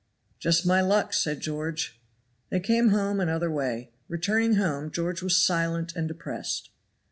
"Just my luck," said George. They came home another way. Returning home, George was silent and depressed.